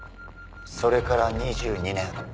それから２２年。